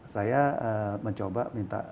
saya mencoba minta